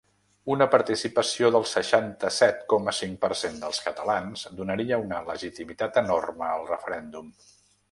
Una participació del seixanta-set coma cinc per cent dels catalans donaria una legitimitat enorme al referèndum.